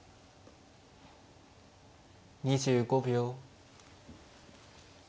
２５秒。